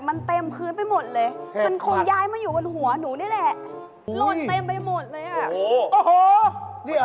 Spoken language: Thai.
มันมันคันหัวใช่ไหมคะมันคันแขนด้วยค่ะ